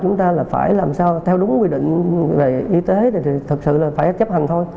chúng ta là phải làm sao theo đúng quy định về y tế thì thực sự là phải chấp hành thôi